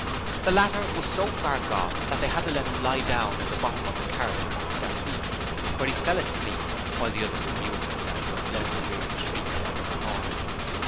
The latter was so far gone that they had to let him lie down in the bottom of the carriage amongst their feet, where he fell asleep, while the others amused themselves by blowing weird shrieks out of the horn.